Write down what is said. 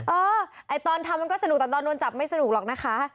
เออไอ้ตอนทำมันก็สนุกแต่ตอนโดนจับไม่สนุกหรอกนะคะ